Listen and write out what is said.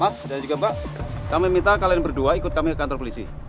mas dan juga mbak kami minta kalian berdua ikut kami ke kantor polisi